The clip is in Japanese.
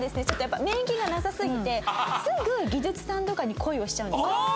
ちょっとやっぱ免疫がなさすぎてすぐ技術さんとかに恋をしちゃうんです。